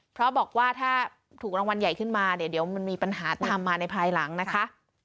เพราะบอกว่าถ้าถูกรางวัลใหญ่ขึ้นมาเนี่ยเดี๋ยวมันมีปัญหาตามมาในภายหลังนะคะ